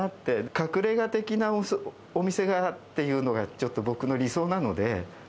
隠れが的なお店がっていうのが、ちょっと僕の理想なので。